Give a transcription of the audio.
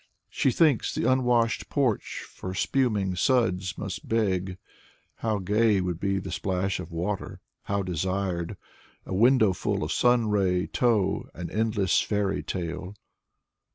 She thinks the unwashed porch for spuming suds must beg. How gay would be the splash of water, how desired A windowful of sunray tow, — an endless fairy tale.